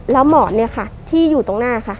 แล้วหมอที่อยู่ตรงหน้าค่ะ